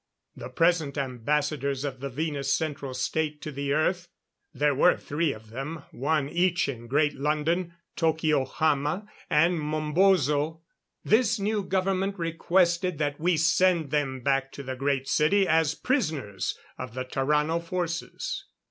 The present Ambassadors of the Venus Central State to the Earth there were three of them, one each in Great London, Tokyohama and Mombozo this new government requested that we send them back to the Great City as prisoners of the Tarrano forces.